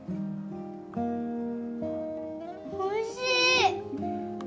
おいしい！